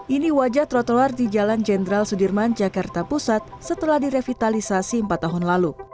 ini wajah trotoar di jalan jenderal sudirman jakarta pusat setelah direvitalisasi empat tahun lalu